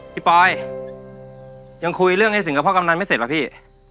ปอยยังคุยเรื่องไอ้สิงกับพ่อกำนันไม่เสร็จหรอกพี่